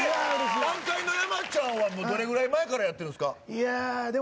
南海の山ちゃんはどれぐらい前からやってますか？